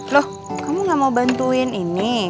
loh kamu gak mau bantuin ini